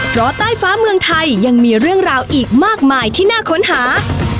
เพราะใต้ฟ้าเมืองไทยยังมีเรื่องราวอีกมากมายที่น่าค้นหา